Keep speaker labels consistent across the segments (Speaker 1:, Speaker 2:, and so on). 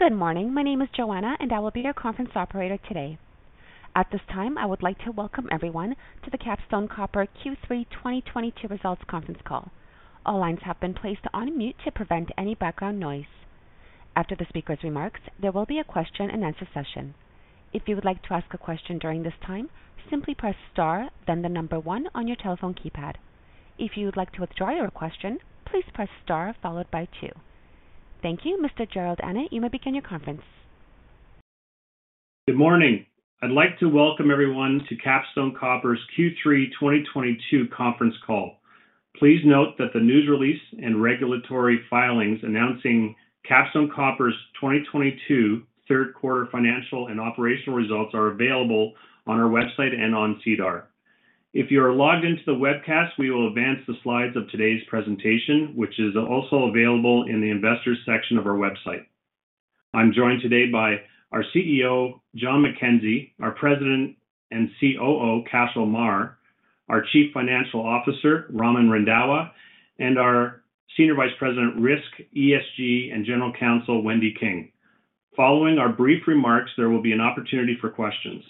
Speaker 1: Good morning. My name is Joanna, and I will be your conference operator today. At this time, I would like to welcome everyone to the Capstone Copper Q3 2022 results conference call. All lines have been placed on mute to prevent any background noise. After the speaker's remarks, there will be a question and answer session. If you would like to ask a question during this time, simply press star then the number one on your telephone keypad. If you would like to withdraw your question, please press star followed by two. Thank you. Mr. Jerrold Annett, you may begin your conference.
Speaker 2: Good morning. I'd like to welcome everyone to Capstone Copper's Q3 2022 conference call. Please note that the news release and regulatory filings announcing Capstone Copper's 2022 third quarter financial and operational results are available on our website and on SEDAR. If you are logged into the webcast, we will advance the slides of today's presentation, which is also available in the Investors section of our website. I'm joined today by our CEO, John MacKenzie, our President and COO, Cashel Meagher, our Chief Financial Officer, Raman Randhawa, and our Senior Vice President, Risk, ESG, and General Counsel, Wendy King. Following our brief remarks, there will be an opportunity for questions.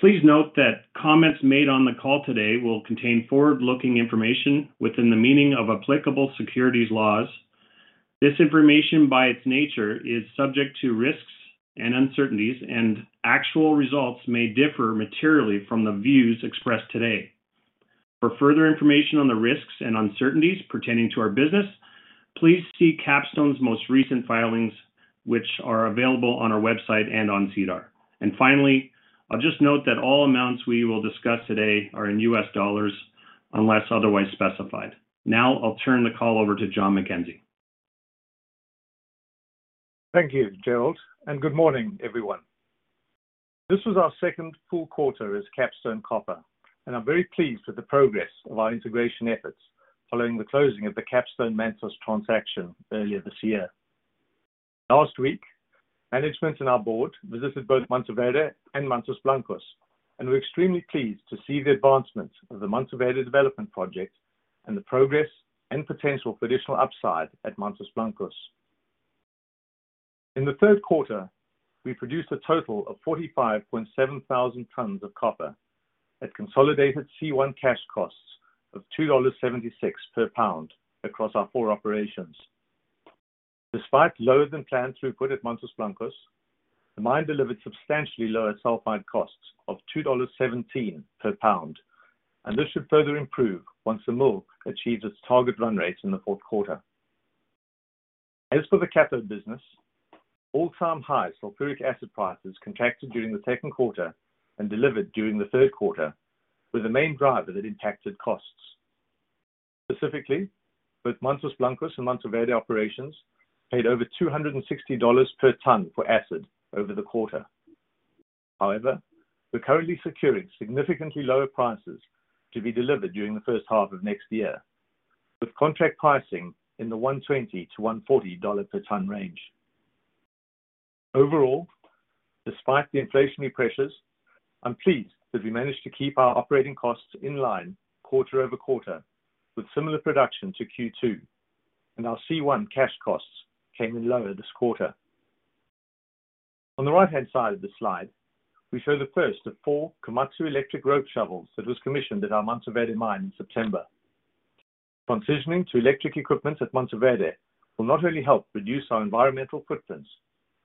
Speaker 2: Please note that comments made on the call today will contain forward-looking information within the meaning of applicable securities laws. This information, by its nature, is subject to risks and uncertainties, and actual results may differ materially from the views expressed today. For further information on the risks and uncertainties pertaining to our business, please see Capstone's most recent filings, which are available on our website and on SEDAR. Finally, I'll just note that all amounts we will discuss today are in U.S. dollars unless otherwise specified. Now I'll turn the call over to John MacKenzie.
Speaker 3: Thank you, Jerrold, and good morning, everyone. This was our second full quarter as Capstone Copper, and I'm very pleased with the progress of our integration efforts following the closing of the Capstone Mantos transaction earlier this year. Last week, management and our board visited both Mantoverde and Mantos Blancos, and we're extremely pleased to see the advancement of the Mantoverde development project and the progress and potential for additional upside at Mantos Blancos. In the third quarter, we produced a total of 45,700 tons of copper at consolidated C1 cash costs of $2.76 per pound across our four operations. Despite lower than planned throughput at Mantos Blancos, the mine delivered substantially lower sulfide costs of $2.17 per pound, and this should further improve once the mill achieves its target run rate in the fourth quarter. As for the cathode business, all-time high sulfuric acid prices contracted during the second quarter and delivered during the third quarter were the main driver that impacted costs. Specifically, both Mantos Blancos and Mantoverde operations paid over $260 per ton for acid over the quarter. However, we're currently securing significantly lower prices to be delivered during the first half of next year, with contract pricing in the $120-$140 per ton range. Overall, despite the inflationary pressures, I'm pleased that we managed to keep our operating costs in line quarter-over-quarter with similar production to Q2, and our C1 cash costs came in lower this quarter. On the right-hand side of the slide, we show the first of four Komatsu electric rope shovels that was commissioned at our Mantoverde mine in September. Transitioning to electric equipment at Mantoverde will not only help reduce our environmental footprints,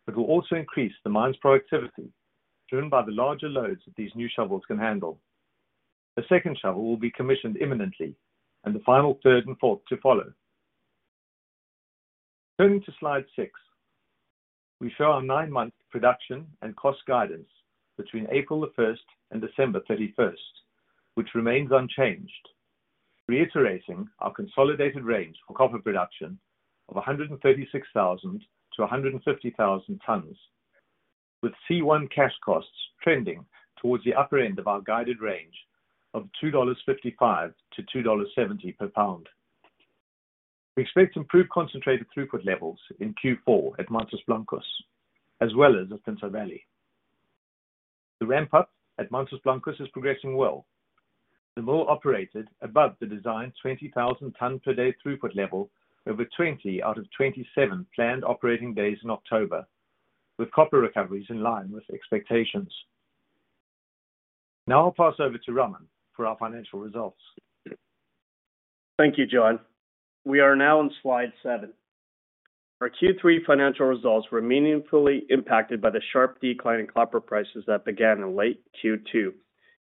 Speaker 3: but will also increase the mine's productivity, driven by the larger loads that these new shovels can handle. The second shovel will be commissioned imminently, and the final third and fourth to follow. Turning to slide six, we show our nine-month production and cost guidance between April 1st and December 31st, which remains unchanged, reiterating our consolidated range for copper production of 136,000 to 150,000 tons, with C1 cash costs trending towards the upper end of our guided range of $2.55-$2.70 per pound. We expect improved concentrate throughput levels in Q4 at Mantos Blancos as well as at Pinto Valley. The ramp-up at Mantos Blancos is progressing well. The mill operated above the designed 20,000 ton per day throughput level over 20 out of 27 planned operating days in October, with copper recoveries in line with expectations. Now I'll pass over to Raman for our financial results.
Speaker 4: Thank you, John. We are now on slide seven. Our Q3 financial results were meaningfully impacted by the sharp decline in copper prices that began in late Q2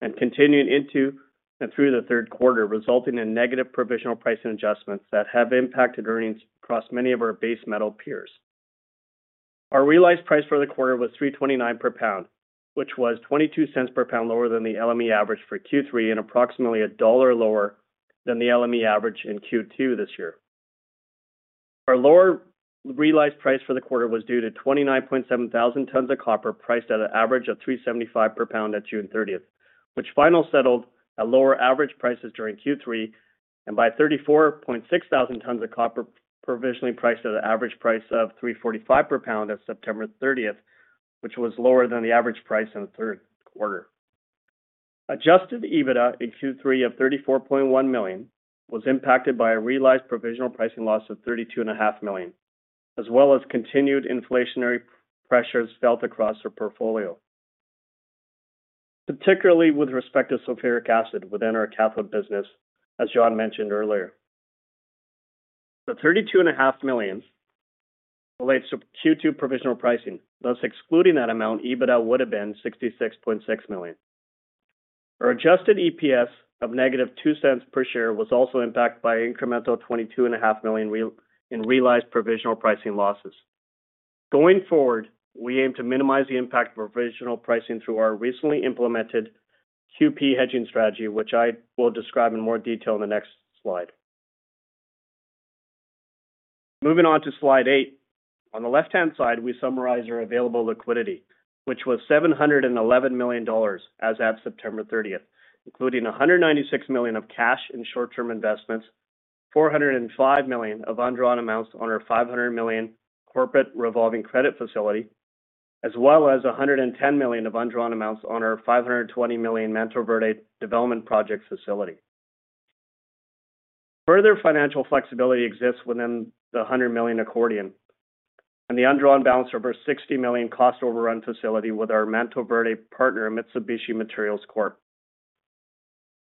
Speaker 4: and continued into and through the third quarter, resulting in negative provisional pricing adjustments that have impacted earnings across many of our base metal peers. Our realized price for the quarter was $3.29 per pound, which was $0.22 per pound lower than the LME average for Q3 and approximately $1 lower than the LME average in Q2 this year. Our lower realized price for the quarter was due to 29,700 tons of copper priced at an average of $3.75 per pound at June 30th, which finally settled at lower average prices during Q3, and by 34,600 tons of copper provisionally priced at an average price of $3.45 per pound at September 30th, which was lower than the average price in the third quarter. Adjusted EBITDA in Q3 of $34.1 million was impacted by a realized provisional pricing loss of $32.5 million, as well as continued inflationary pressures felt across our portfolio. Particularly with respect to sulfuric acid within our cathode business, as John mentioned earlier. The $32.5 million relates to Q2 provisional pricing. Thus, excluding that amount, EBITDA would have been $66.6 million. Our adjusted EPS of -$0.02 per share was also impacted by incremental $22.5 million in realized provisional pricing losses. Going forward, we aim to minimize the impact of provisional pricing through our recently implemented QP hedging strategy, which I will describe in more detail in the next slide. Moving on to slide eight. On the left-hand side, we summarize our available liquidity, which was $711 million as at September 30th, including $196 million of cash and short-term investments, $405 million of undrawn amounts on our $500 million corporate revolving credit facility, as well as $110 million of undrawn amounts on our $520 million Mantoverde Development Project facility. Further financial flexibility exists within the $100 million accordion and the undrawn balance of our $60 million cost overrun facility with our Mantoverde partner, Mitsubishi Materials Corporation.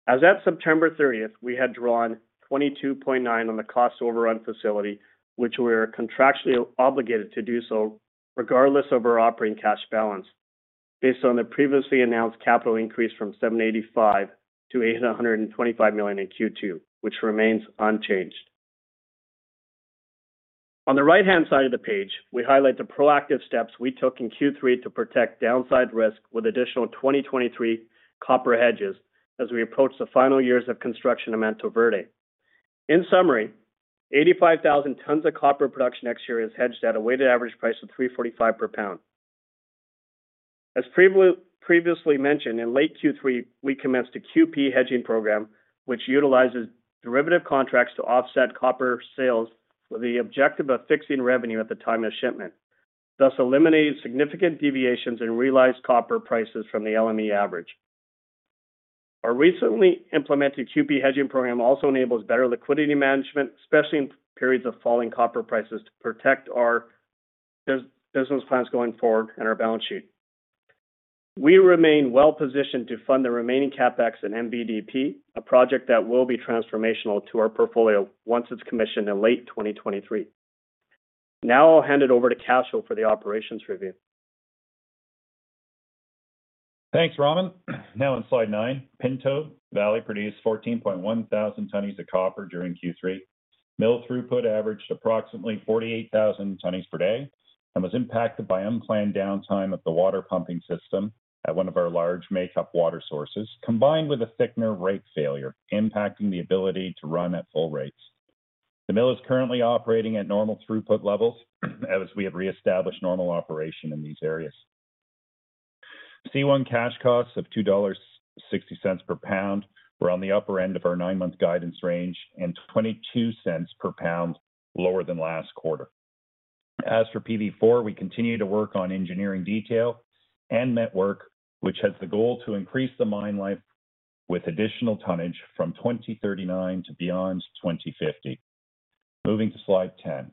Speaker 4: As at September 30th, we had drawn $22.9 million on the cost overrun facility, which we are contractually obligated to do so regardless of our operating cash balance based on the previously announced capital increase from $785 million to $825 million in Q2, which remains unchanged. On the right-hand side of the page, we highlight the proactive steps we took in Q3 to protect downside risk with additional 2023 copper hedges as we approach the final years of construction of Mantoverde. In summary, 85,000 tons of copper production next year is hedged at a weighted average price of $3.45 per pound. As previously mentioned, in late Q3, we commenced a QP hedging program, which utilizes derivative contracts to offset copper sales with the objective of fixing revenue at the time of shipment, thus eliminating significant deviations in realized copper prices from the LME average. Our recently implemented QP hedging program also enables better liquidity management, especially in periods of falling copper prices, to protect our business plans going forward and our balance sheet. We remain well-positioned to fund the remaining CapEx in MVDP, a project that will be transformational to our portfolio once it's commissioned in late 2023. Now I'll hand it over to Cashel for the operations review.
Speaker 5: Thanks, Raman. Now on slide nine, Pinto Valley produced 14.1 thousand tonnes of copper during Q3. Mill throughput averaged approximately 48,000 tonnes per day and was impacted by unplanned downtime of the water pumping system at one of our large makeup water sources, combined with a thickener rake failure, impacting the ability to run at full rates. The mill is currently operating at normal throughput levels as we have reestablished normal operation in these areas. C1 cash costs of $2.60 per pound were on the upper end of our nine-month guidance range and $0.22 per pound lower than last quarter. As for PV4, we continue to work on engineering detail and network, which has the goal to increase the mine life with additional tonnage from 2039 to beyond 2050. Moving to slide 10.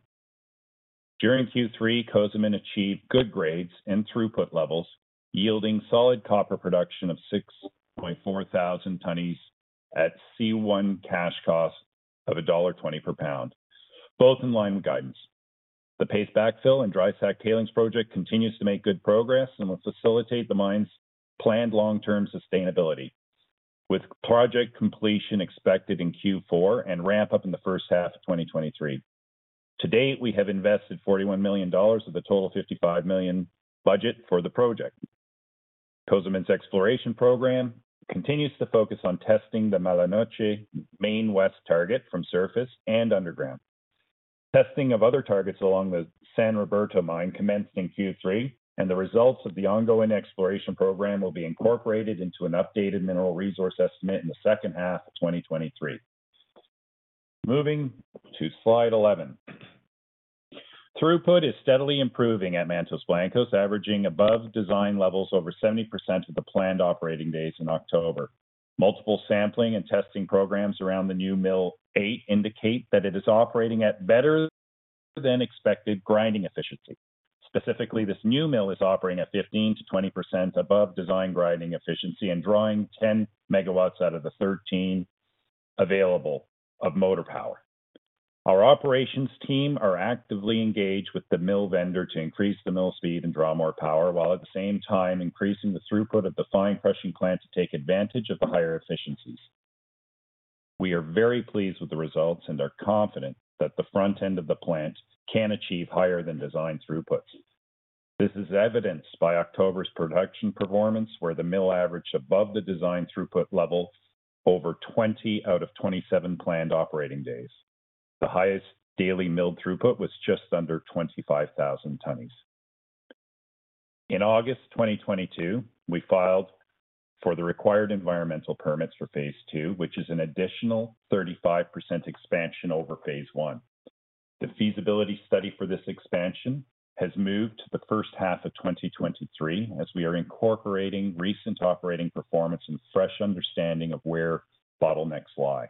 Speaker 5: During Q3, Cozamin achieved good grades and throughput levels, yielding solid copper production of 6,400 tonnes at C1 cash cost of $1.20 per pound, both in line with guidance. The pace backfill and dry stack tailings project continues to make good progress and will facilitate the mine's planned long-term sustainability, with project completion expected in Q4 and ramp up in the first half of 2023. To date, we have invested $41 million of the total $55 million budget for the project. Cozamin's exploration program continues to focus on testing the Mala Noche main west target from surface and underground. Testing of other targets along the San Roberto mine commenced in Q3, and the results of the ongoing exploration program will be incorporated into an updated mineral resource estimate in the second half of 2023. Moving to slide 11. Throughput is steadily improving at Mantos Blancos, averaging above design levels over 70% of the planned operating days in October. Multiple sampling and testing programs around the new Mill A indicate that it is operating at better than expected grinding efficiency. Specifically, this new mill is operating at 15%-20% above design grinding efficiency and drawing 10 megawatts out of the 13 available of motor power. Our operations team are actively engaged with the mill vendor to increase the mill speed and draw more power, while at the same time increasing the throughput of the fine crushing plant to take advantage of the higher efficiencies. We are very pleased with the results and are confident that the front end of the plant can achieve higher than design throughputs. This is evidenced by October's production performance, where the mill averaged above the design throughput level over 20 out of 27 planned operating days. The highest daily milled throughput was just under 25,000 tons. In August 2022, we filed for the required environmental permits for phase II, which is an additional 35% expansion over phase I. The feasibility study for this expansion has moved to the first half of 2023 as we are incorporating recent operating performance and fresh understanding of where bottlenecks lie.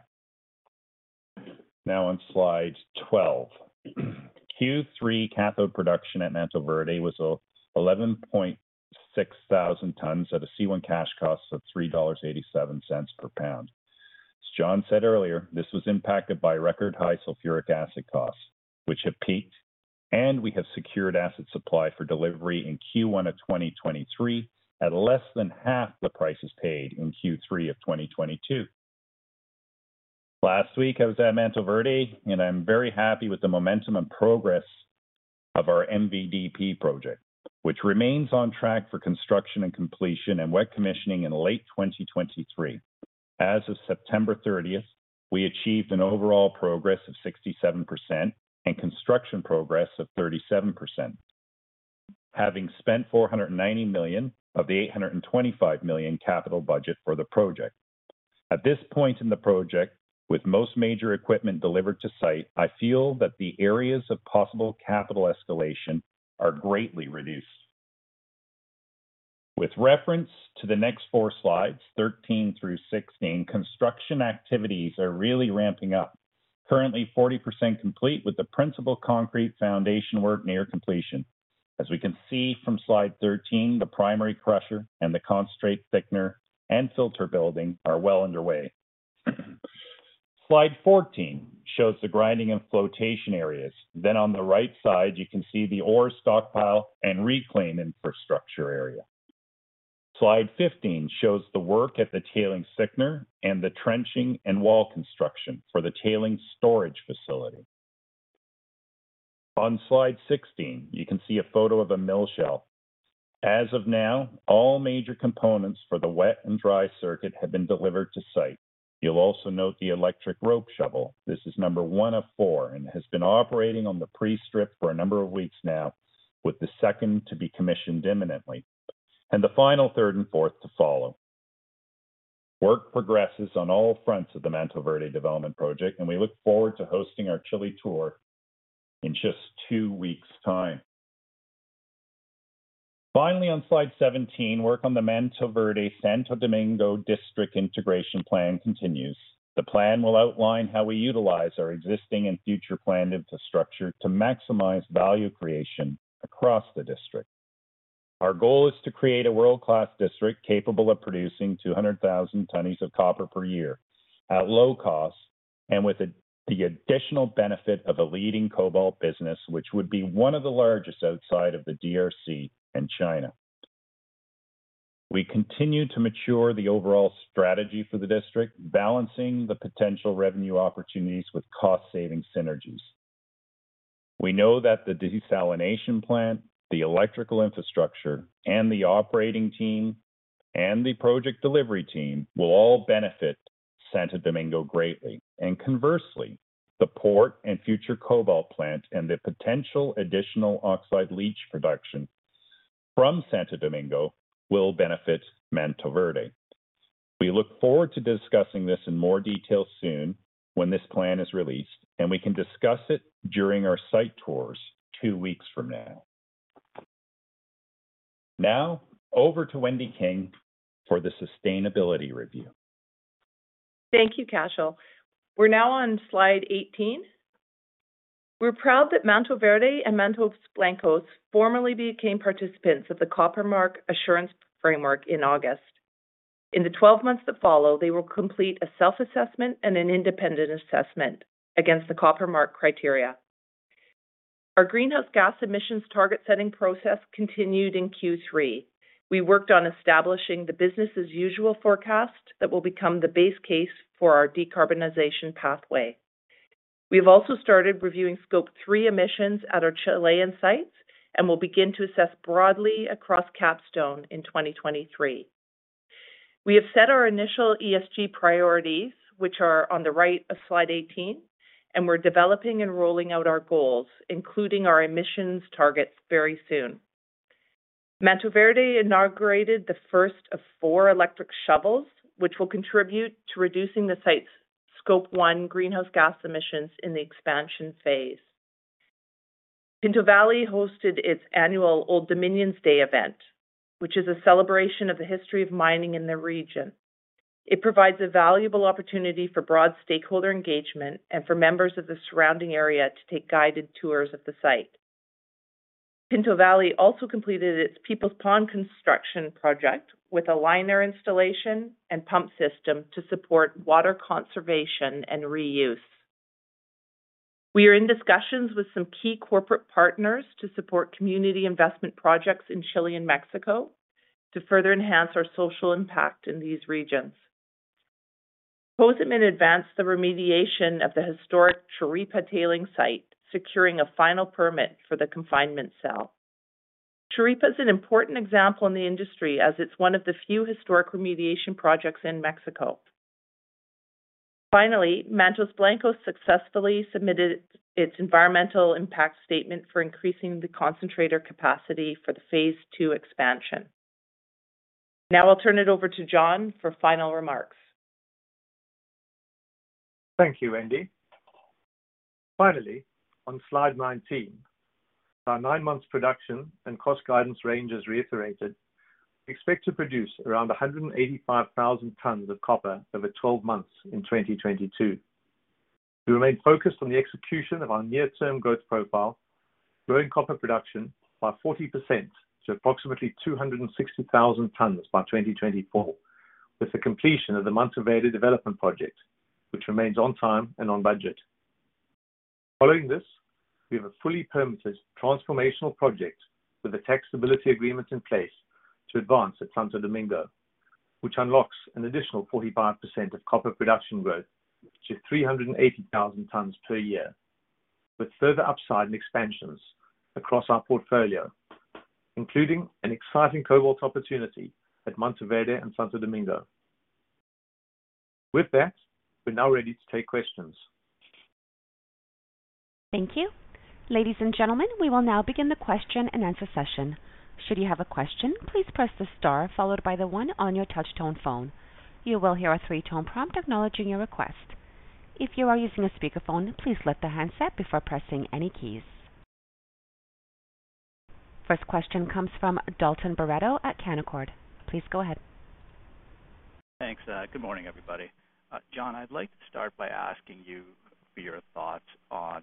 Speaker 5: Now on slide 12. Q3 cathode production at Mantoverde was 11,600 tons at a C1 cash cost of $3.87 per pound. As John said earlier, this was impacted by record high sulfuric acid costs, which have peaked, and we have secured acid supply for delivery in Q1 of 2023 at less than half the prices paid in Q3 of 2022. Last week, I was at Mantoverde, and I'm very happy with the momentum and progress of our MVDP project, which remains on track for construction and completion and wet commissioning in late 2023. As of September thirtieth, we achieved an overall progress of 67% and construction progress of 37%, having spent $490 million of the $825 million capital budget for the project. At this point in the project, with most major equipment delivered to site, I feel that the areas of possible capital escalation are greatly reduced. With reference to the next four slides, 13 through 16, construction activities are really ramping up, currently 40% complete with the principal concrete foundation work near completion. As we can see from slide 13, the primary crusher and the concentrate thickener and filter building are well underway. Slide 14 shows the grinding and flotation areas. On the right side, you can see the ore stockpile and reclaim infrastructure area. Slide 15 shows the work at the tailings thickener and the trenching and wall construction for the tailings storage facility. On slide 16, you can see a photo of a mill shell. As of now, all major components for the wet and dry circuit have been delivered to site. You'll also note the electric rope shovel. This is number one of four and has been operating on the pre-strip for a number of weeks now, with the second to be commissioned imminently, and the final third and fourth to follow. Work progresses on all fronts of the Mantoverde Development Project, and we look forward to hosting our Chile tour in just two weeks' time. Finally, on slide 17, work on the Mantoverde Santo Domingo District Integration Plan continues. The plan will outline how we utilize our existing and future planned infrastructure to maximize value creation across the district. Our goal is to create a world-class district capable of producing 200,000 tonnes of copper per year at low cost and with the additional benefit of a leading cobalt business, which would be one of the largest outside of the DRC and China. We continue to mature the overall strategy for the district, balancing the potential revenue opportunities with cost-saving synergies. We know that the desalination plant, the electrical infrastructure, and the operating team, and the project delivery team will all benefit Santo Domingo greatly. Conversely, the port and future cobalt plant and the potential additional oxide leach production from Santo Domingo will benefit Mantoverde. We look forward to discussing this in more detail soon when this plan is released, and we can discuss it during our site tours two weeks from now. Now over to Wendy King for the sustainability review.
Speaker 6: Thank you, Cashel. We're now on slide 18. We're proud that Mantoverde and Mantos Blancos formally became participants of the Copper Mark Assurance Framework in August. In the 12 months that follow, they will complete a self-assessment and an independent assessment against the Copper Mark criteria. Our greenhouse gas emissions target-setting process continued in Q3. We worked on establishing the business as usual forecast that will become the base case for our decarbonization pathway. We've also started reviewing Scope 3 emissions at our Chilean sites and will begin to assess broadly across Capstone in 2023. We have set our initial ESG priorities, which are on the right of slide 18, and we're developing and rolling out our goals, including our emissions targets very soon. Mantoverde inaugurated the first of four electric shovels, which will contribute to reducing the site's Scope 1 greenhouse gas emissions in the expansion phase. Pinto Valley hosted its annual Old Dominion Days event, which is a celebration of the history of mining in the region. It provides a valuable opportunity for broad stakeholder engagement and for members of the surrounding area to take guided tours of the site. Pinto Valley also completed its People's Pond construction project with a liner installation and pump system to support water conservation and reuse. We are in discussions with some key corporate partners to support community investment projects in Chile and Mexico to further enhance our social impact in these regions. Cozamin have advanced the remediation of the historic Chiripa tailing site, securing a final permit for the confinement cell. Chiripa is an important example in the industry as it's one of the few historic remediation projects in Mexico. Finally, Mantos Blancos successfully submitted its environmental impact statement for increasing the concentrator capacity for the phase II expansion. Now I'll turn it over to John for final remarks.
Speaker 3: Thank you, Wendy. Finally, on slide 19, our nine months production and cost guidance range is reiterated. We expect to produce around 185,000 tons of copper over 12 months in 2022. We remain focused on the execution of our near-term growth profile, growing copper production by 40% to approximately 260,000 tons by 2024, with the completion of the Mantoverde development project, which remains on time and on budget. Following this, we have a fully permitted transformational project with a tax stability agreement in place to advance at Santo Domingo, which unlocks an additional 45% of copper production growth to 380,000 tons per year, with further upside and expansions across our portfolio, including an exciting cobalt opportunity at Mantoverde and Santo Domingo. With that, we're now ready to take questions.
Speaker 1: Thank you. Ladies and gentlemen, we will now begin the question-and-answer session. Should you have a question, please press the star followed by the one on your touch tone phone. You will hear a three-tone prompt acknowledging your request. If you are using a speakerphone, please lift the handset before pressing any keys. First question comes from Dalton Baretto at Canaccord. Please go ahead.
Speaker 7: Thanks. Good morning, everybody. John, I'd like to start by asking you for your thoughts on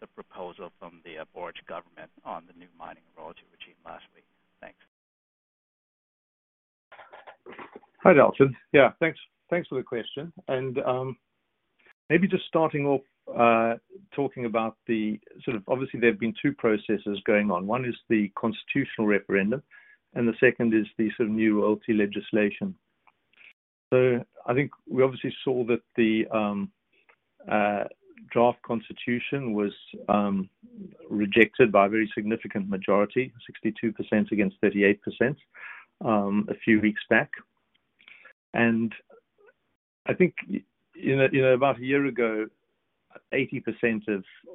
Speaker 7: the proposal from the Boric's government on the new mining royalty regime last week. Thanks.
Speaker 3: Hi, Dalton. Yeah, thanks. Thanks for the question. Maybe just starting off, talking about obviously there have been two processes going on. One is the constitutional referendum, and the second is the sort of new royalty legislation. I think we obviously saw that the draft constitution was rejected by a very significant majority, 62% against 38%, a few weeks back. I think, you know, about a year ago, 80%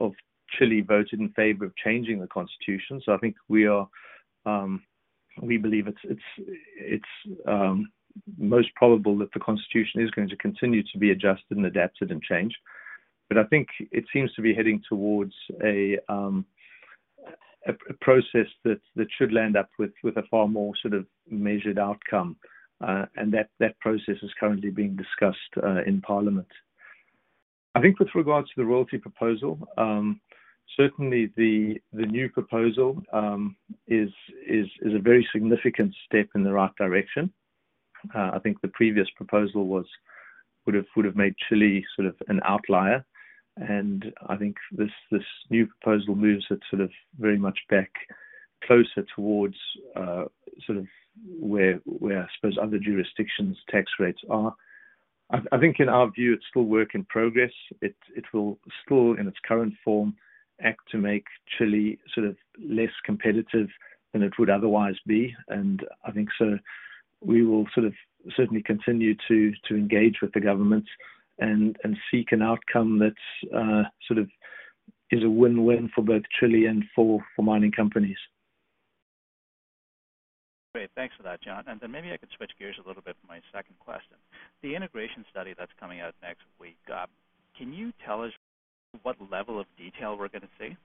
Speaker 3: of Chile voted in favor of changing the Constitution. I think we believe it's most probable that the Constitution is going to continue to be adjusted and adapted and changed. I think it seems to be heading toward a process that should end up with a far more sort of measured outcome, and that process is currently being discussed in parliament. I think with regards to the royalty proposal, certainly the new proposal is a very significant step in the right direction. I think the previous proposal would have made Chile sort of an outlier. I think this new proposal moves it sort of very much back closer toward sort of where I suppose other jurisdictions' tax rates are. I think in our view, it's still work in progress. It will still, in its current form, act to make Chile sort of less competitive than it would otherwise be. I think so we will sort of certainly continue to engage with the government and seek an outcome that's sort of is a win-win for both Chile and for mining companies.
Speaker 7: Great. Thanks for that, John. Maybe I could switch gears a little bit for my second question. The integration study that's coming out next week, can you tell us what level of detail we're gonna see?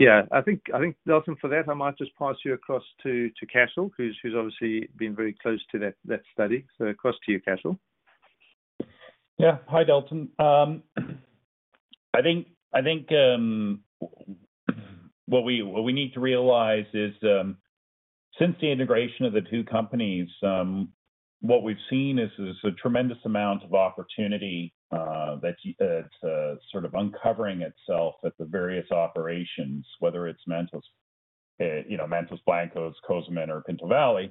Speaker 3: Yeah. I think, Dalton, for that, I might just pass you across to Cashel, who's obviously been very close to that study. Across to you, Cashel.
Speaker 5: Yeah. Hi, Dalton. I think what we need to realize is, since the integration of the two companies, what we've seen is a tremendous amount of opportunity, that's sort of uncovering itself at the various operations, whether it's Mantos, you know, Mantos Blancos, Cozamin or Pinto Valley,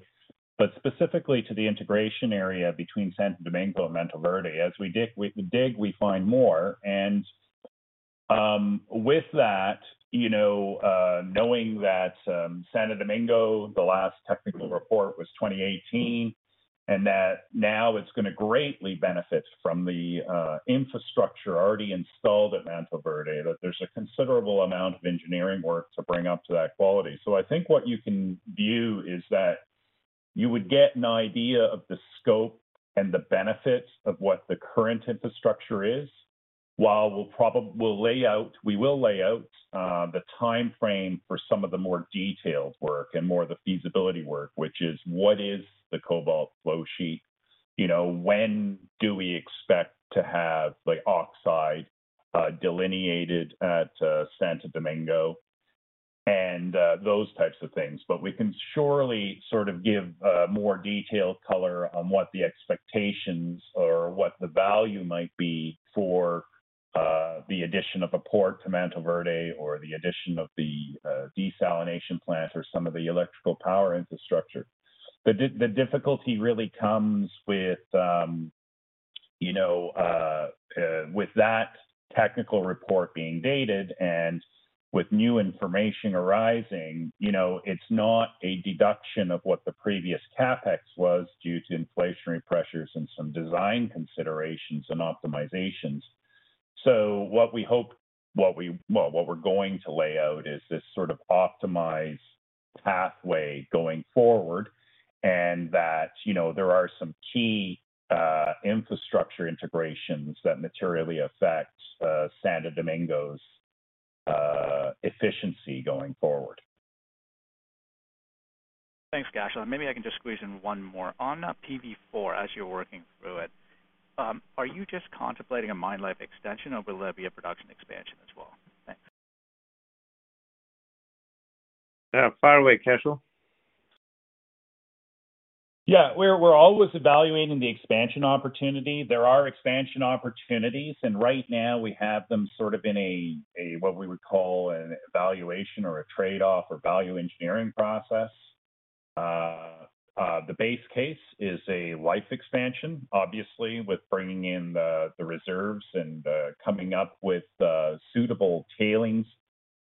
Speaker 5: but specifically to the integration area between Santo Domingo and Mantoverde. As we dig, we find more. With that, you know, knowing that, Santo Domingo, the last technical report was 2018, and that now it's gonna greatly benefit from the infrastructure already installed at Mantoverde, that there's a considerable amount of engineering work to bring up to that quality. I think what you can view is that you would get an idea of the scope and the benefits of what the current infrastructure is, while we will lay out the timeframe for some of the more detailed work and more of the feasibility work, which is what is the cobalt flow sheet? You know, when do we expect to have, like, oxide delineated at Santo Domingo? And those types of things. But we can surely sort of give more detailed color on what the expectations or what the value might be for the addition of a port to Mantoverde or the addition of the desalination plant or some of the electrical power infrastructure. The difficulty really comes with, you know, with that technical report being dated and with new information arising, you know, it's not a deduction of what the previous CapEx was due to inflationary pressures and some design considerations and optimizations. What we hope, what we, well, what we're going to lay out is this sort of optimized pathway going forward, and that, you know, there are some key infrastructure integrations that materially affect Santo Domingo's efficiency going forward.
Speaker 7: Thanks, Cashel. Maybe I can just squeeze in one more. On PV four, as you're working through it, are you just contemplating a mine life extension or will there be a production expansion as well? Thanks.
Speaker 3: Fire away, Cashel.
Speaker 5: Yeah. We're always evaluating the expansion opportunity. There are expansion opportunities, and right now we have them sort of in what we would call an evaluation or a trade-off or value engineering process. The base case is a life expansion, obviously, with bringing in the reserves and coming up with suitable tailings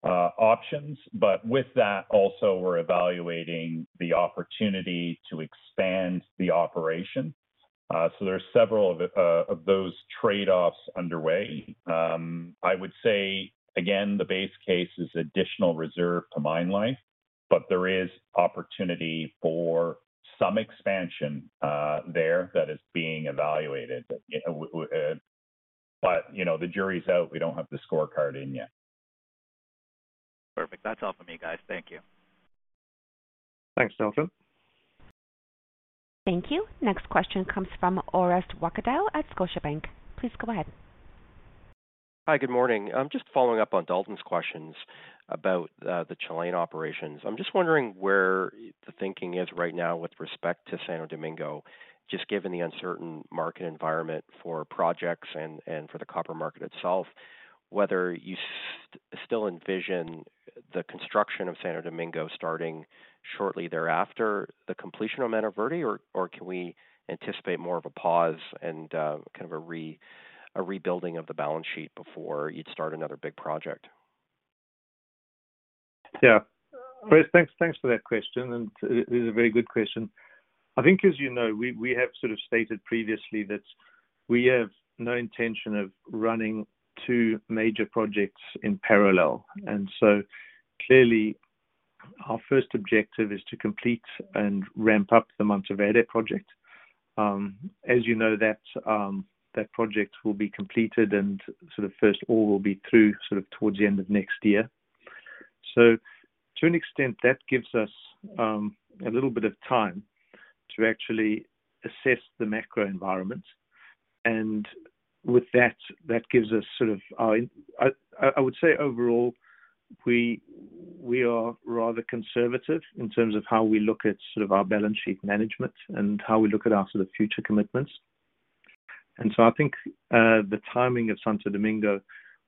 Speaker 5: options. With that, also we're evaluating the opportunity to expand the operation. There are several of those trade-offs underway. I would say again, the base case is additional reserve to mine life, but there is opportunity for some expansion there that is being evaluated. You know, the jury's out. We don't have the scorecard in yet.
Speaker 7: Perfect. That's all for me, guys. Thank you.
Speaker 3: Thanks, Dalton.
Speaker 1: Thank you. Next question comes from Orest Wowkodaw at Scotiabank. Please go ahead.
Speaker 8: Hi. Good morning. I'm just following up on Dalton's questions about the Chilean operations. I'm just wondering where the thinking is right now with respect to Santo Domingo, just given the uncertain market environment for projects and for the copper market itself, whether you still envision the construction of Santo Domingo starting shortly thereafter the completion of Mantoverde or can we anticipate more of a pause and kind of a rebuilding of the balance sheet before you'd start another big project?
Speaker 3: Yeah. Orest, thanks for that question, and it is a very good question. I think, as you know, we have sort of stated previously that we have no intention of running two major projects in parallel. Clearly our first objective is to complete and ramp up the Mantoverde project. As you know that project will be completed and sort of first ore will be through sort of towards the end of next year. To an extent, that gives us a little bit of time to actually assess the macro environment. With that gives us sort of I would say overall, we are rather conservative in terms of how we look at sort of our balance sheet management and how we look at our sort of future commitments. I think the timing of Santo Domingo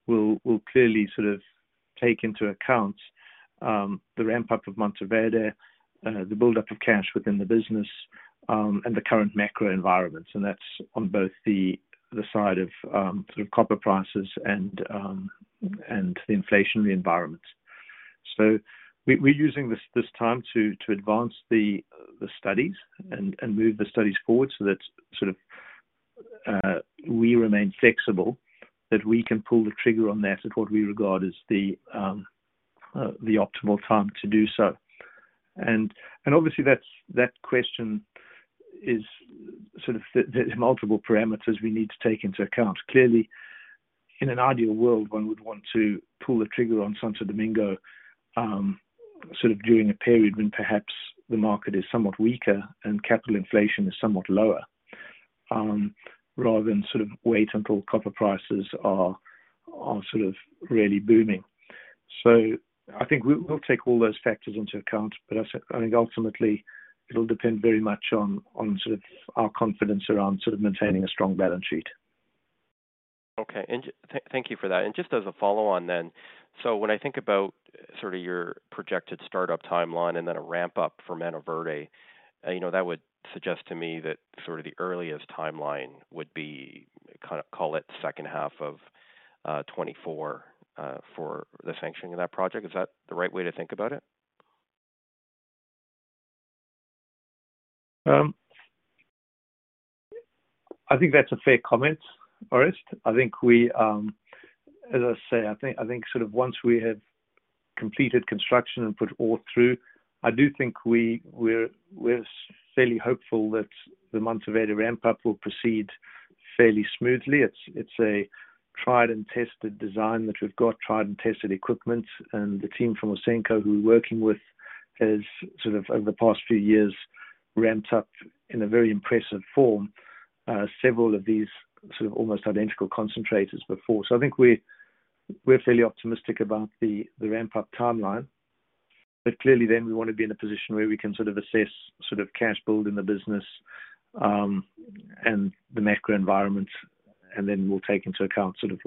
Speaker 3: will clearly sort of take into account the ramp up of Mantoverde, the buildup of cash within the business, and the current macro environment, and that's on both the side of sort of copper prices and the inflationary environment. We're using this time to advance the studies and move the studies forward so that we remain flexible, that we can pull the trigger on that at what we regard as the optimal time to do so. Obviously that's that question is sort of there are multiple parameters we need to take into account. Clearly, in an ideal world, one would want to pull the trigger on Santo Domingo, sort of during a period when perhaps the market is somewhat weaker and capital inflation is somewhat lower, rather than sort of wait until copper prices are sort of really booming. I think we'll take all those factors into account, but I think ultimately it'll depend very much on sort of our confidence around sort of maintaining a strong balance sheet.
Speaker 8: Okay. Thank you for that. Just as a follow on then, when I think about sort of your projected startup timeline and then a ramp-up for Mantoverde, you know, that would suggest to me that sort of the earliest timeline would be kinda call it second half of 2024 for the sanctioning of that project. Is that the right way to think about it?
Speaker 3: I think that's a fair comment, Orest. I think as I say, I think sort of once we have completed construction and put ore through, I do think we're fairly hopeful that the Mantoverde ramp-up will proceed fairly smoothly. It's a tried and tested design that we've got, tried and tested equipment, and the team from Ausenco who we're working with has sort of over the past few years ramped up in a very impressive form several of these sort of almost identical concentrators before. I think we're fairly optimistic about the ramp-up timeline. Clearly we wanna be in a position where we can sort of assess sort of cash build in the business, and the macro environment, and then we'll take into account sort of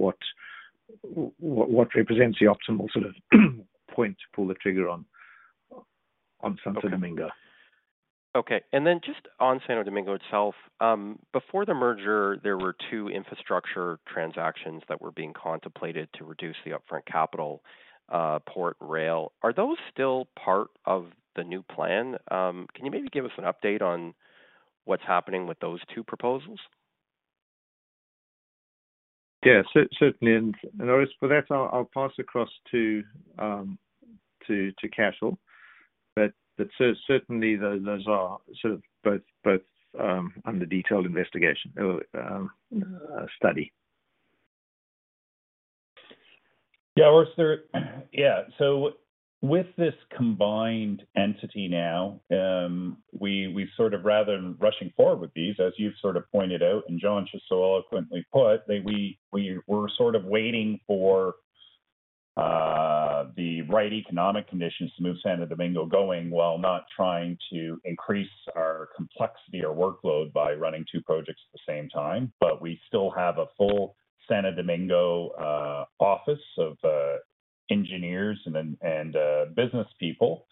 Speaker 3: what represents the optimal sort of point to pull the trigger on Santo Domingo.
Speaker 8: Okay. Just on Santo Domingo itself, before the merger, there were two infrastructure transactions that were being contemplated to reduce the upfront capital, port rail. Are those still part of the new plan? Can you maybe give us an update on what's happening with those two proposals?
Speaker 3: Yeah, certainly. For that, I'll pass across to Cashel. Certainly those are sort of both under detailed investigation or study.
Speaker 5: With this combined entity now, we sort of rather than rushing forward with these, as you've sort of pointed out and John just so eloquently put, we were sort of waiting for the right economic conditions to move Santo Domingo going while not trying to increase our complexity or workload by running two projects at the same time. We still have a full Santo Domingo office of engineers and business people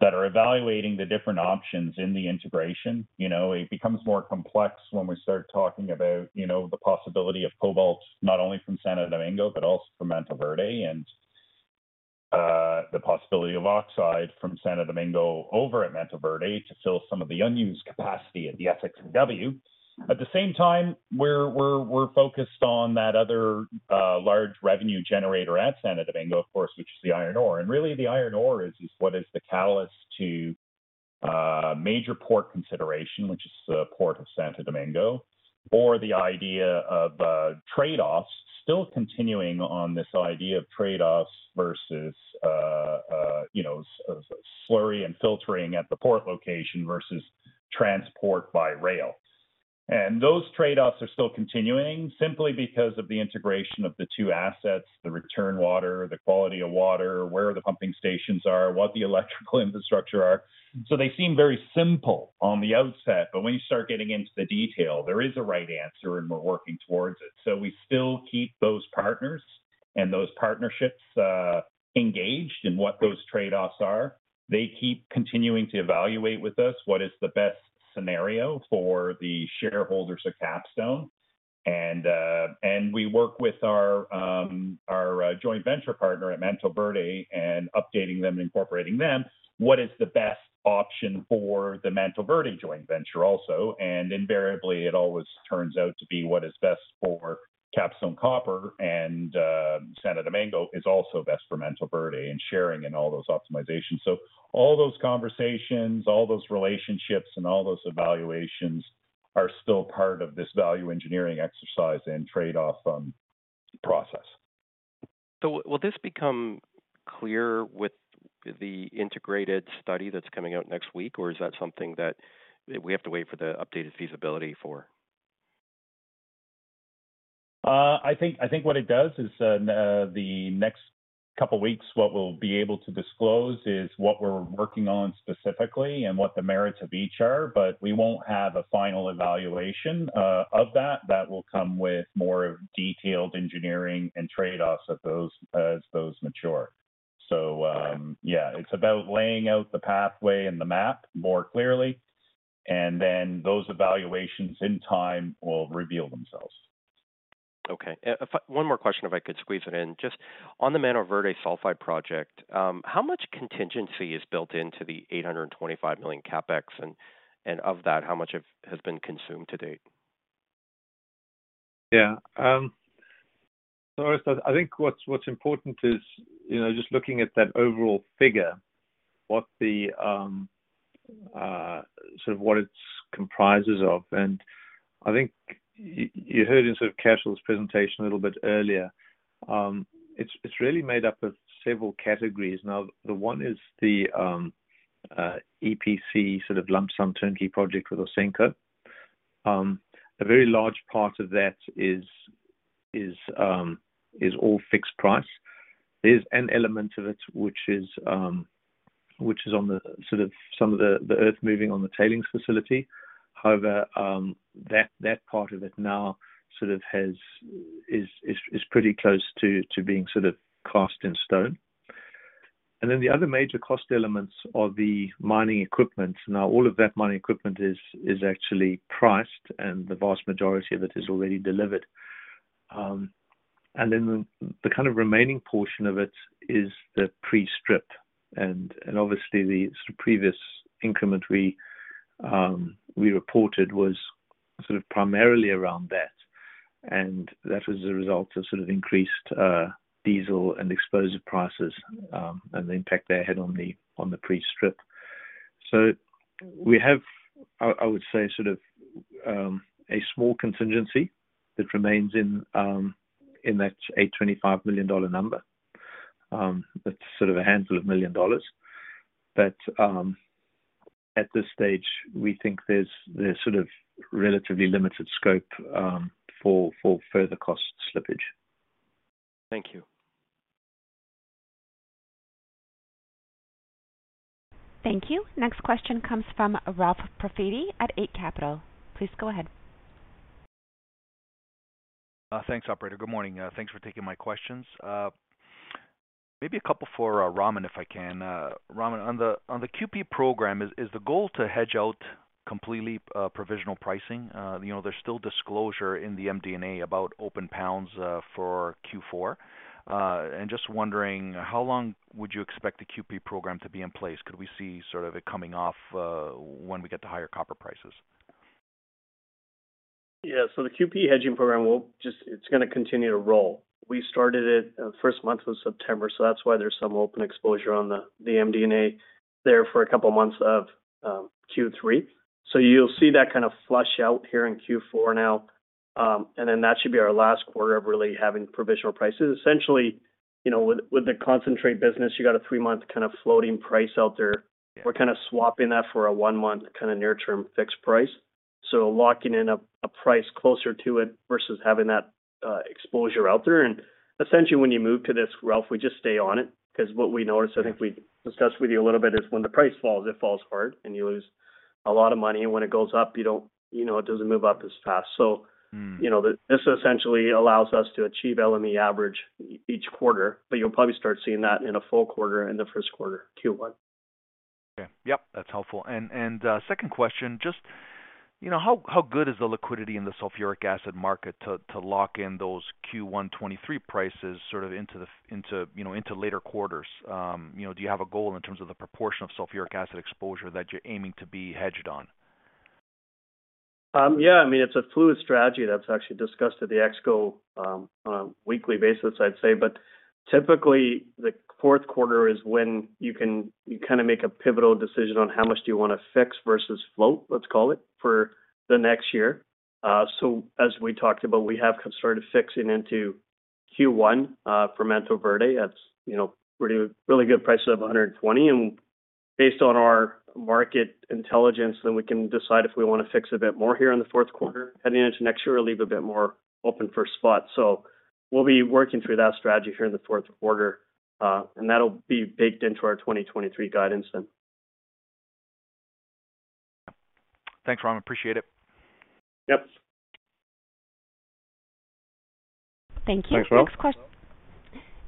Speaker 5: that are evaluating the different options in the integration. You know, it becomes more complex when we start talking about, you know, the possibility of cobalt not only from Santo Domingo but also from Mantoverde and the possibility of oxide from Santo Domingo over at Mantoverde to fill some of the unused capacity at the SX-EW. At the same time, we're focused on that other large revenue generator at Santo Domingo, of course, which is the iron ore. Really the iron ore is what is the catalyst to major port consideration, which is the port of Santo Domingo or the idea of trade-offs still continuing on this idea of trade-offs versus you know of slurry and filtering at the port location versus transport by rail. Those trade-offs are still continuing simply because of the integration of the two assets, the return water, the quality of water, where the pumping stations are, what the electrical infrastructure are. They seem very simple on the outset, but when you start getting into the detail, there is a right answer and we're working towards it. We still keep those partners and those partnerships, engaged in what those trade-offs are. They keep continuing to evaluate with us what is the best scenario for the shareholders of Capstone. We work with our joint venture partner at Mantoverde and updating them and incorporating them what is the best option for the Mantoverde joint venture also. Invariably it always turns out to be what is best for Capstone Copper and, Santo Domingo is also best for Mantoverde and sharing in all those optimizations. All those conversations, all those relationships and all those evaluations are still part of this value engineering exercise and trade-off, process.
Speaker 8: Will this become clear with the integrated study that's coming out next week or is that something that we have to wait for the updated feasibility for?
Speaker 5: I think what it does is, the next couple weeks, what we'll be able to disclose is what we're working on specifically and what the merits of each are, but we won't have a final evaluation of that. That will come with more detailed engineering and trade-offs of those as those mature. Yeah, it's about laying out the pathway and the map more clearly, and then those evaluations in time will reveal themselves.
Speaker 8: One more question, if I could squeeze it in. Just on the Mantoverde sulfide project, how much contingency is built into the $825 million CapEx? And of that, how much of it has been consumed to date?
Speaker 3: I think what's important is, you know, just looking at that overall figure, what it comprises of, and I think you heard in sort of Cashel's presentation a little bit earlier, it's really made up of several categories now. The one is the EPC sort of lump sum turnkey project with Ausenco. A very large part of that is all fixed price. There's an element of it which is on the sort of some of the earth moving on the tailings facility. However, that part of it now sort of is pretty close to being sort of cast in stone. The other major cost elements are the mining equipment. Now all of that mining equipment is actually priced and the vast majority of it is already delivered. Then the kind of remaining portion of it is the pre-strip. Obviously the sort of previous increment we reported was sort of primarily around that. That was a result of sort of increased diesel and explosives prices and the impact that had on the pre-strip. We have, I would say sort of a small contingency that remains in that $825 million number. That's sort of a handful of million dollars. At this stage we think there's sort of relatively limited scope for further cost slippage.
Speaker 8: Thank you.
Speaker 1: Thank you. Next question comes from Ralph Profiti at Eight Capital. Please go ahead.
Speaker 9: Thanks, operator. Good morning. Thanks for taking my questions. Maybe a couple for Raman if I can. Raman, on the QP program, is the goal to hedge out completely provisional pricing? You know, there's still disclosure in the MD&A about open pounds for Q4. Just wondering how long would you expect the QP program to be in place? Could we see sort of it coming off when we get to higher copper prices?
Speaker 4: The QP hedging program will just, it's gonna continue to roll. We started it, first month was September, so that's why there's some open exposure on the MD&A there for a couple of months of Q3. You'll see that kind of flush out here in Q4 now. That should be our last quarter of really having provisional prices. Essentially, with the concentrate business, you got a three-month kind of floating price out there. We're kinda swapping that for a one-month kinda near term fixed price. Locking in a price closer to it versus having that exposure out there. Essentially, when you move to this, Ralph, we just stay on it 'cause what we noticed, I think we discussed with you a little bit, is when the price falls, it falls hard and you lose a lot of money. When it goes up, you don't, you know, it doesn't move up as fast.
Speaker 9: Mm.
Speaker 4: You know, this essentially allows us to achieve LME average each quarter, but you'll probably start seeing that in a full quarter in the first quarter, Q1.
Speaker 9: Okay. Yep, that's helpful. Second question, just you know how good is the liquidity in the sulfuric acid market to lock in those Q1 2023 prices sort of into you know into later quarters? You know do you have a goal in terms of the proportion of sulfuric acid exposure that you're aiming to be hedged on?
Speaker 4: Yeah, I mean, it's a fluid strategy that's actually discussed at the Exco on a weekly basis, I'd say. Typically, the fourth quarter is when you kinda make a pivotal decision on how much do you wanna fix versus float, let's call it, for the next year. As we talked about, we have started fixing into Q1 for Mantoverde. That's, you know, pretty really good prices of $120. Based on our market intelligence, then we can decide if we wanna fix a bit more here in the fourth quarter heading into next year or leave a bit more open for spot. We'll be working through that strategy here in the fourth quarter, and that'll be baked into our 2023 guidance then.
Speaker 9: Thanks, Raman. Appreciate it.
Speaker 4: Yep.
Speaker 1: Thank you.
Speaker 3: Thanks, Ralph.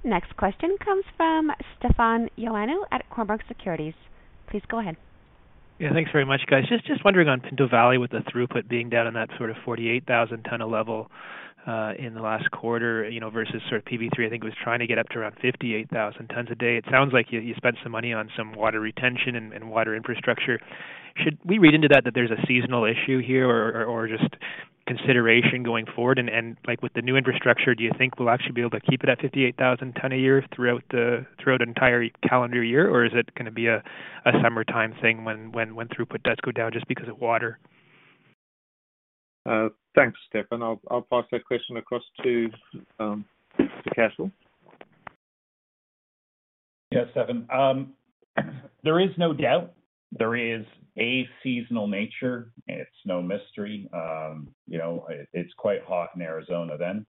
Speaker 1: Next question comes from Stefan Ioannou at Cormark Securities. Please go ahead.
Speaker 10: Yeah, thanks very much, guys. Just wondering on Pinto Valley with the throughput being down on that sort of 48,000 tons of level in the last quarter, you know, versus sort of PV3, I think it was trying to get up to around 58,000 tons a day. It sounds like you spent some money on some water retention and water infrastructure. Should we read into that that there's a seasonal issue here or just consideration going forward? Like with the new infrastructure, do you think we'll actually be able to keep it at 58,000 tons a year throughout the entire calendar year? Or is it gonna be a summertime thing when throughput does go down just because of water?
Speaker 3: Thanks, Stefan. I'll pass that question across to Cashel.
Speaker 5: Yeah, Stefan. There is no doubt there is a seasonal nature, and it's no mystery. You know, it's quite hot in Arizona then. Much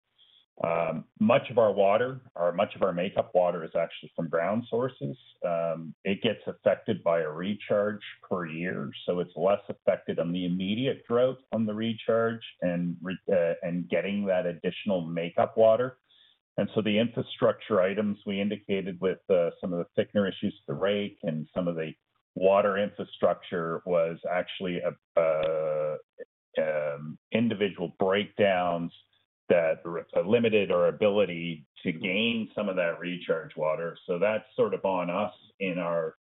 Speaker 5: of our water or much of our makeup water is actually from ground sources. It gets affected by a recharge per year, so it's less affected on the immediate drought on the recharge and getting that additional makeup water. The infrastructure items we indicated with some of the thickener issues at the rake and some of the water infrastructure was actually individual breakdowns that limited our ability to gain some of that recharge water. That's sort of on us in our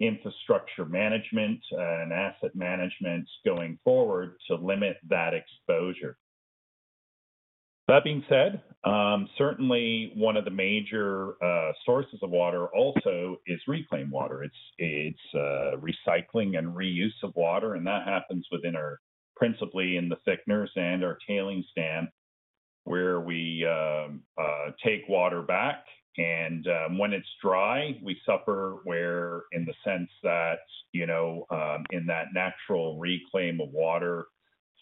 Speaker 5: infrastructure management and asset management going forward to limit that exposure. That being said, certainly one of the major sources of water also is reclaimed water. It's recycling and reuse of water, and that happens within our principally in the thickeners and our tailings dam where we take water back. When it's dry, we suffer in the sense that in that natural reclaim of water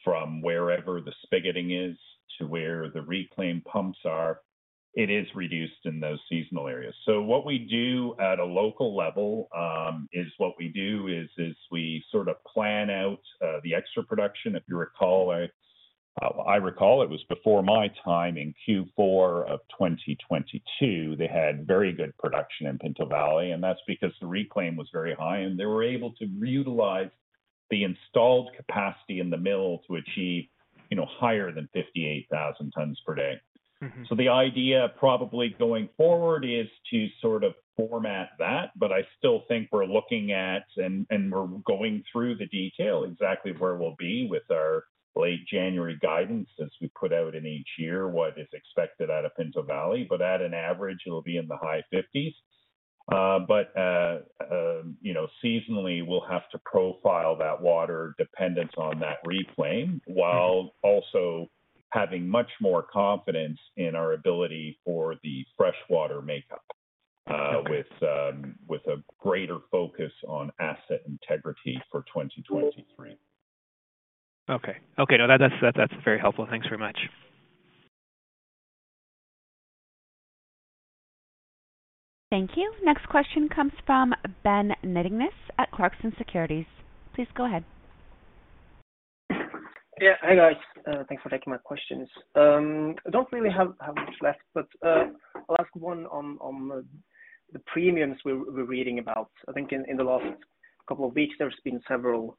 Speaker 5: from wherever the spigoting is to where the reclaim pumps are, it is reduced in those seasonal areas. What we do at a local level is we sort of plan out the extra production. If you recall, I recall it was before my time in Q4 of 2022, they had very good production in Pinto Valley, and that's because the reclaim was very high, and they were able to reutilize the installed capacity in the mill to achieve, you know, higher than 58,000 tons per day.
Speaker 10: Mm-hmm.
Speaker 5: So the idea probably going forward is to sort of format that. I still think we're looking at and we're going through the detail exactly where we'll be with our late January guidance as we put out in each year what is expected out of Pinto Valley. At an average, it'll be in the high fifties. You know, seasonally, we'll have to profile that water dependence on that reclaim while also having much more confidence in our ability for the freshwater makeup with a greater focus on asset integrity for 2023.
Speaker 10: Okay. No, that's very helpful. Thanks very much.
Speaker 1: Thank you. Next question comes from Ben Nittingnes at Clarksons Securities. Please go ahead.
Speaker 11: Yeah. Hi, guys. Thanks for taking my questions. I don't really have much left, but I'll ask one on the premiums we're reading about. I think in the last couple of weeks, there's been several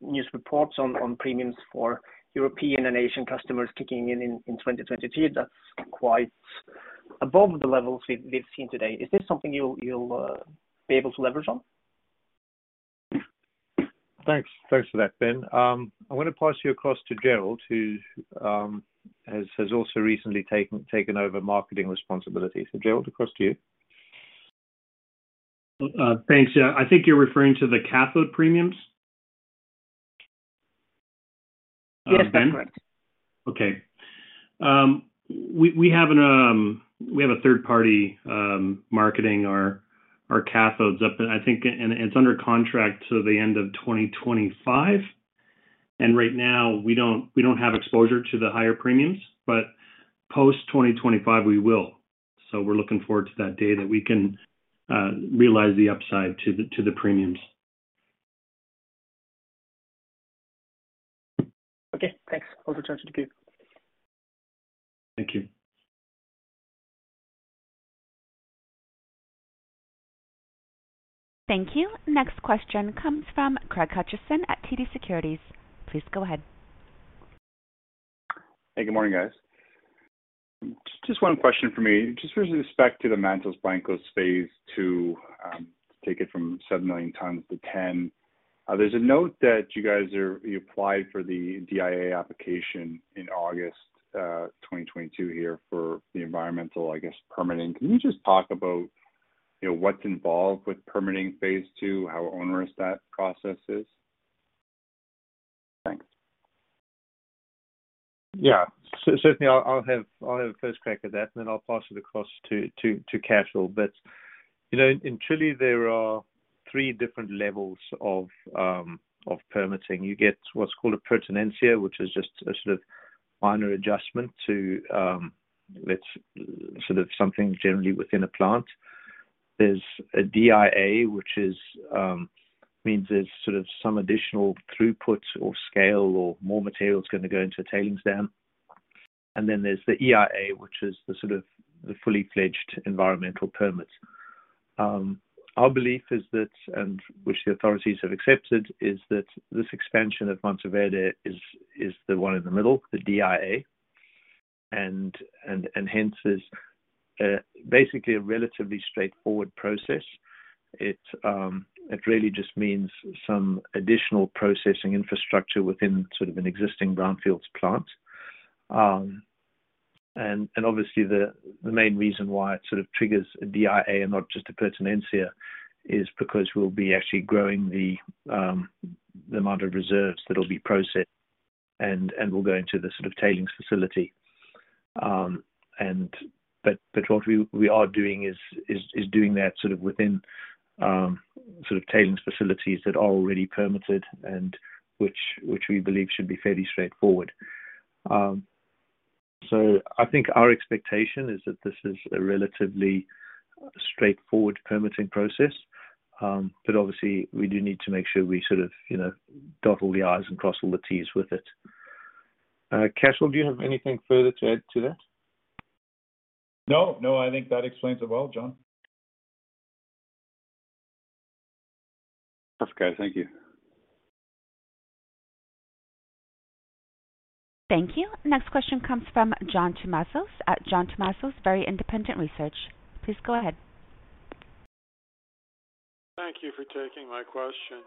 Speaker 11: news reports on premiums for European and Asian customers kicking in in 2023. That's quite above the levels we've seen today. Is this something you'll be able to leverage on?
Speaker 3: Thanks. Thanks for that, Ben. I want to pass you across to Jerrold, who has also recently taken over marketing responsibilities. Jerrold, across to you.
Speaker 2: Thanks. Yeah. I think you're referring to the cathode premiums.
Speaker 11: Yes, that's correct.
Speaker 2: Okay. We have a third party marketing our cathodes, and it's under contract till the end of 2025. Right now we don't have exposure to the higher premiums, but post 2025 we will. We're looking forward to that day that we can realize the upside to the premiums.
Speaker 11: Okay, thanks. I'll return to you.
Speaker 3: Thank you.
Speaker 1: Thank you. Next question comes from Craig Hutchison at TD Securities. Please go ahead.
Speaker 12: Hey, good morning, guys. Just one question for me. Just with respect to the Mantos Blancos Phase II, take it from 7 million tons to 10. There's a note that you guys applied for the DIA application in August 2022 here for the environmental, I guess, permitting. Can you just talk about, you know, what's involved with permitting phase II, how onerous that process is? Thanks.
Speaker 3: Yeah. Certainly I'll have a first crack at that, and then I'll pass it across to Cashel. You know, in Chile, there are three different levels of permitting. You get what's called a pertinencia, which is just a sort of minor adjustment to something generally within a plant. There's a DIA, which means there's sort of some additional throughput or scale or more material is gonna go into a tailings dam. Then there's the EIA, which is sort of the fully fledged environmental permits. Our belief is that, and which the authorities have accepted, is that this expansion at Mantos Blancos is the one in the middle, the DIA. Hence is basically a relatively straightforward process. It really just means some additional processing infrastructure within sort of an existing brownfields plant. Obviously the main reason why it sort of triggers a DIA and not just a pertinencia is because we'll be actually growing the amount of reserves that will be processed and will go into the sort of tailings facility. What we are doing is doing that sort of within sort of tailings facilities that are already permitted and which we believe should be fairly straightforward. I think our expectation is that this is a relatively straightforward permitting process, but obviously we do need to make sure we sort of you know dot all the i's and cross all the t's with it. Cashel, do you have anything further to add to that?
Speaker 5: No, no. I think that explains it well, John.
Speaker 12: Okay. Thank you.
Speaker 1: Thank you. Next question comes from John Tumazos at John Tumazos Very Independent Research. Please go ahead.
Speaker 13: Thank you for taking my question.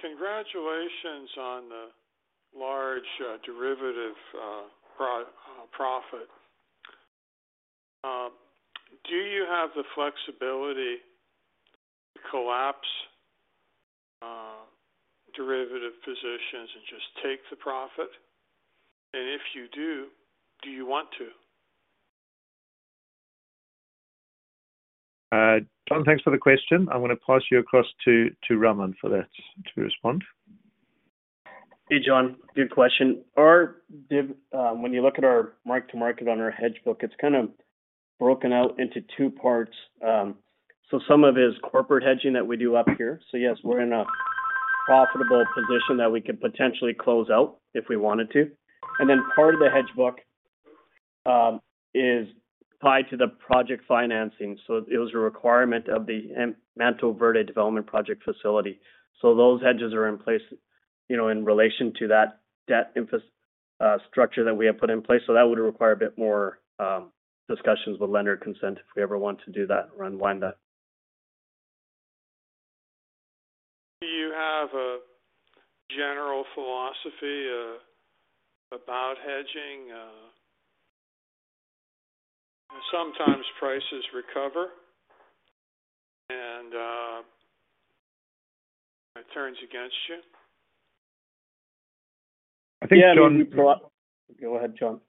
Speaker 13: Congratulations on the large derivative profit. Do you have the flexibility to collapse derivative positions and just take the profit? If you do you want to?
Speaker 3: John, thanks for the question. I'm gonna pass you across to Raman for that to respond.
Speaker 4: Hey, John. Good question. When you look at our mark to market on our hedge book, it's kinda broken out into two parts. Some of it is corporate hedging that we do up here. Yes, we're in a profitable position that we could potentially close out if we wanted to. Part of the hedge book is tied to the project financing. It was a requirement of the Mantos Blancos development project facility. Those hedges are in place, you know, in relation to that debt structure that we have put in place. That would require a bit more discussions with lender consent if we ever want to do that or unwind that.
Speaker 13: Do you have a general philosophy about hedging? Sometimes prices recover and it turns against you.
Speaker 3: I think, John.
Speaker 13: Yeah. Go ahead, John.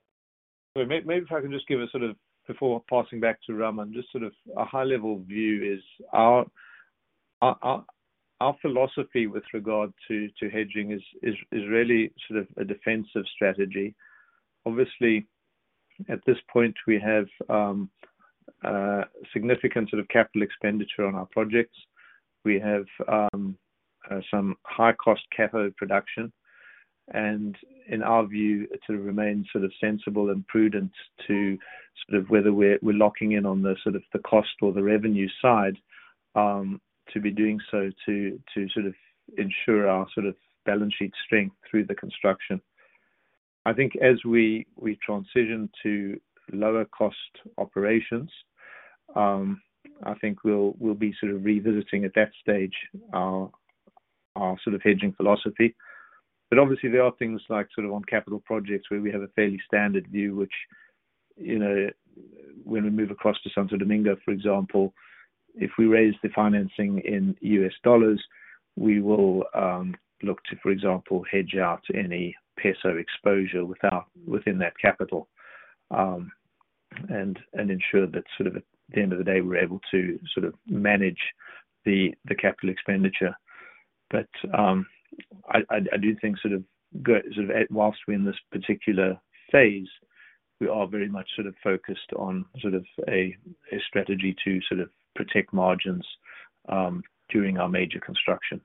Speaker 3: Maybe if I can just give a sort of before passing back to Raman, just sort of a high-level view is our philosophy with regard to hedging is really sort of a defensive strategy. Obviously, at this point, we have significant sort of capital expenditure on our projects. We have some high-cost cathode production. In our view, it sort of remains sort of sensible and prudent to sort of whether we're locking in on the cost or the revenue side to be doing so to sort of ensure our sort of balance sheet strength through the construction. I think as we transition to lower cost operations, I think we'll be sort of revisiting at that stage our sort of hedging philosophy. Obviously there are things like sort of on capital projects where we have a fairly standard view, which, you know, when we move across to Santo Domingo, for example, if we raise the financing in U.S. dollars, we will look to, for example, hedge out any peso exposure within that capital, and ensure that sort of at the end of the day, we're able to sort of manage the capital expenditure. I do think sort of while we're in this particular phase, we are very much sort of focused on sort of a strategy to sort of protect margins during our major construction.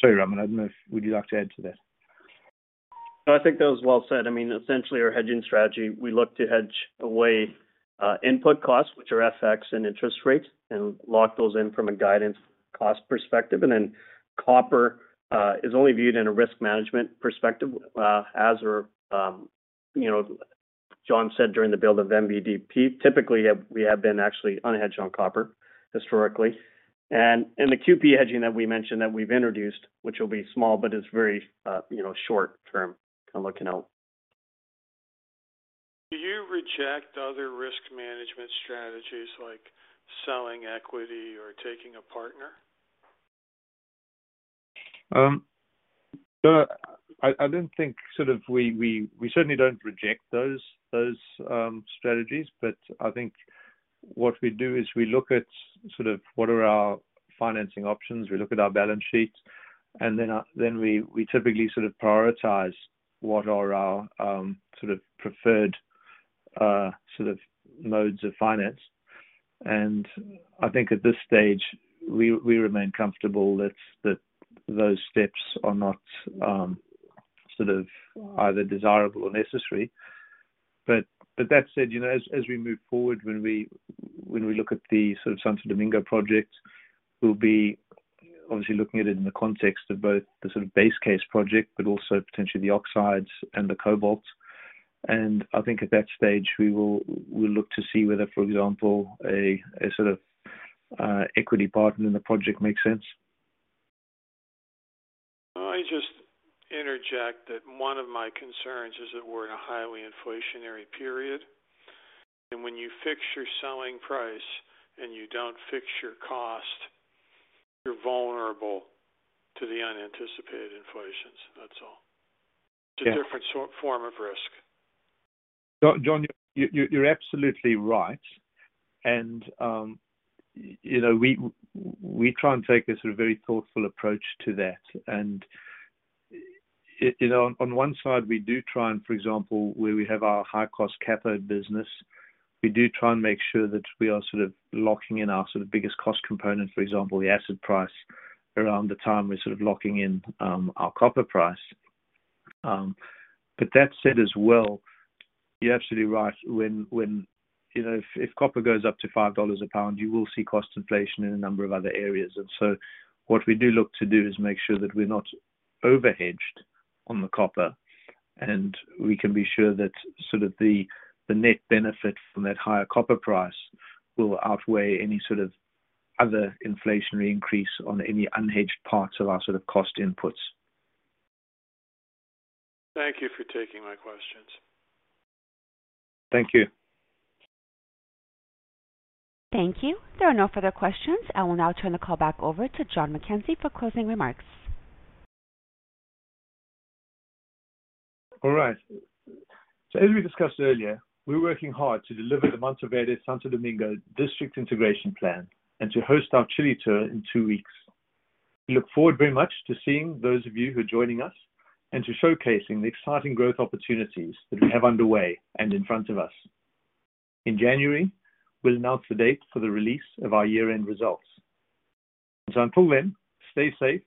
Speaker 3: Sorry, Raman, I don't know if you would like to add to that?
Speaker 4: No, I think that was well said. I mean, essentially our hedging strategy, we look to hedge away input costs, which are FX and interest rates, and lock those in from a guidance cost perspective. Copper is only viewed in a risk management perspective. As for, you know, John said during the build of MVDP, typically we have been actually unhedged on copper historically. In the QP hedging that we mentioned that we've introduced, which will be small, but is very, you know, short-term looking out.
Speaker 13: Do you reject other risk management strategies like selling equity or taking a partner?
Speaker 3: I didn't think sort of we certainly don't reject those strategies. I think what we do is we look at sort of what are our financing options, we look at our balance sheets, and then we typically sort of prioritize what are our sort of preferred sort of modes of finance. I think at this stage, we remain comfortable that those steps are not sort of either desirable or necessary. That said, you know, as we move forward, when we look at the sort of Santo Domingo project, we'll be obviously looking at it in the context of both the sort of base case project but also potentially the oxides and the cobalt. I think at that stage we'll look to see whether, for example, a sort of equity partner in the project makes sense.
Speaker 13: I just interject that one of my concerns is that we're in a highly inflationary period. When you fix your selling price and you don't fix your cost, you're vulnerable to the unanticipated inflation. That's all.
Speaker 3: Yeah.
Speaker 13: It's a different form of risk.
Speaker 3: John, you're absolutely right. You know, we try and take a sort of very thoughtful approach to that. You know, on one side, we do try and, for example, where we have our high-cost cathode business, we do try and make sure that we are sort of locking in our sort of biggest cost component, for example, the acid price around the time we're sort of locking in our copper price. That said as well, you're absolutely right. You know, if copper goes up to $5 a pound, you will see cost inflation in a number of other areas. What we do look to do is make sure that we're not over-hedged on the copper, and we can be sure that sort of the net benefit from that higher copper price will outweigh any sort of other inflationary increase on any unhedged parts of our sort of cost inputs.
Speaker 13: Thank you for taking my questions.
Speaker 3: Thank you.
Speaker 1: Thank you. There are no further questions. I will now turn the call back over to John MacKenzie for closing remarks.
Speaker 3: All right. As we discussed earlier, we're working hard to deliver the Mantoverde Santo Domingo district integration plan and to host our Chile tour in two weeks. We look forward very much to seeing those of you who are joining us and to showcasing the exciting growth opportunities that we have underway and in front of us. In January, we'll announce the date for the release of our year-end results. Until then, stay safe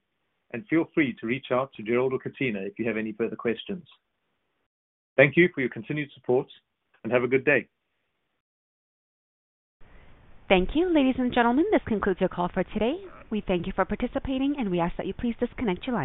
Speaker 3: and feel free to reach out to Jerrold or Katina if you have any further questions. Thank you for your continued support, and have a good day.
Speaker 1: Thank you. Ladies and gentlemen, this concludes your call for today. We thank you for participating, and we ask that you please disconnect your line.